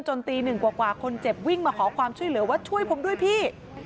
ตีหนึ่งกว่าคนเจ็บวิ่งมาขอความช่วยเหลือว่าช่วยผมด้วยพี่